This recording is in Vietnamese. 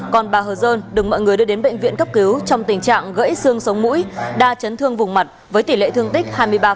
còn bà hờ dơn được mọi người đưa đến bệnh viện cấp cứu trong tình trạng gãy xương sống mũi đa chấn thương vùng mặt với tỷ lệ thương tích hai mươi ba